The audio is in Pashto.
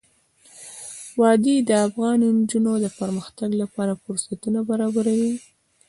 وادي د افغان نجونو د پرمختګ لپاره فرصتونه برابروي.